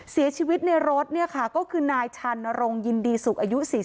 เสียชีวิตในรถเนี่ยค่ะก็คือนายชันนรงค์ยินดีสุขอายุ๔๐